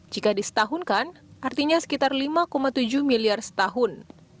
jika disetahunkan artinya sekitar lima tujuh miliar setahun